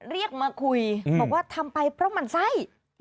เรียกมาคุยบอกว่าทำไปเพราะหมั่นไส้